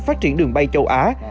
phát triển đường bay châu á